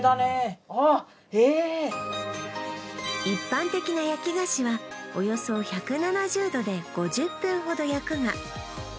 一般的な焼き菓子はおよそ１７０℃で５０分ほど焼くが